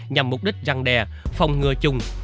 nhằm mục đích răng đè phòng ngừa chung